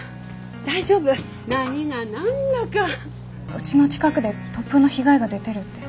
うちの近くで突風の被害が出てるって。